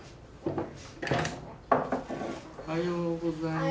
おはようございます。